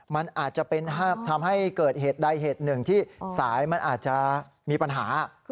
มันอาจจะเป็นทำให้เกิดเหตุใดเหตุหนึ่งที่สายมันอาจจะมีปัญหา